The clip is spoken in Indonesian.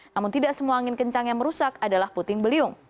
namun tidak semua angin kencang yang merusak adalah puting beliung